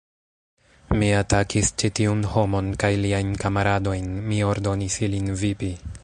Mi atakis ĉi tiun homon kaj liajn kamaradojn, mi ordonis ilin vipi.